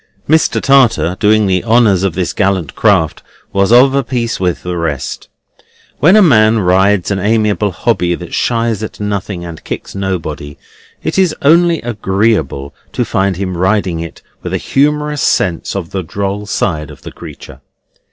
Mr. Tartar doing the honours of this gallant craft was of a piece with the rest. When a man rides an amiable hobby that shies at nothing and kicks nobody, it is only agreeable to find him riding it with a humorous sense of the droll side of the creature.